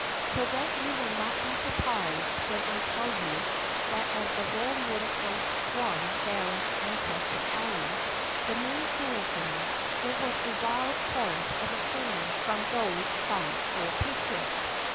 So that you will not be surprised when I tell you that as the royal motor coach swung down Ancestor Alley, the main thoroughfare, there was a wild chorus of acclaim from those stanch old patriots.